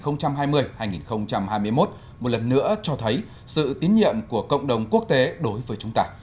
năm hai nghìn hai mươi một một lần nữa cho thấy sự tín nhiệm của cộng đồng quốc tế đối với chúng ta